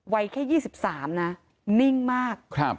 วัยแค่๒๓นะนิ่งมาก